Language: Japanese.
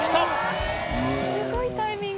すごいタイミング。